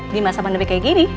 di masa pandemi kayak gini